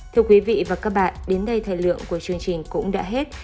thưa quý vị và các bạn đến đây thời lượng của chương trình cũng đã hết